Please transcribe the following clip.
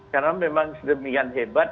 karena memang sedemikian hebat